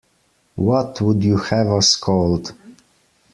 What would you have us called?